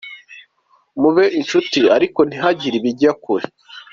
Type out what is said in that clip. Mube inshuti ariko ntihagire ibijya kure.